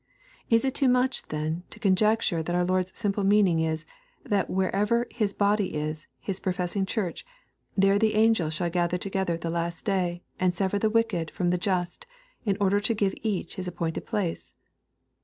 Is it too much, then, to conjecture that our Lord's simple meaning is, that wherever " His body'* is, His professing Church, there the angels shall gather together at the last day, and sever the wicked from the just, in order to give to each hi appointed place?